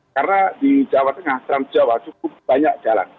karena di jawa tengah dalam jawa cukup banyak jalan